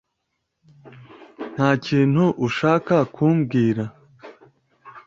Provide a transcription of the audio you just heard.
Nta kintu ushaka kumbwira?